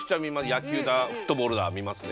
野球だフットボールだ見ますね。